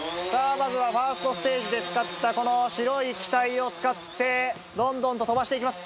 まずはファーストステージで使ったこの白い機体を使ってどんどんと飛ばして行きます。